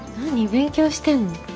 勉強してんの？